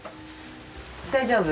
大丈夫？